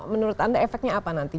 menurut anda efeknya apa nanti